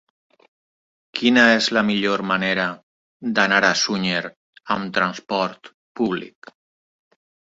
Quina és la millor manera d'anar a Sunyer amb trasport públic?